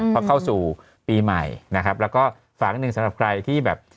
พอเข้าสู่ปีใหม่นะครับแล้วก็ฝากนิดนึงสำหรับใครที่แบบ